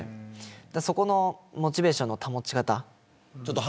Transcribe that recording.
そこのモチベーションの保ち方